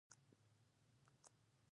بې مهارت ژوند محدود دی.